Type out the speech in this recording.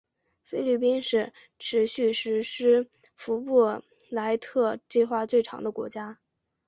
菲律宾是持续实施福布莱特计划最长的国家。